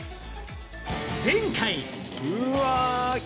前回。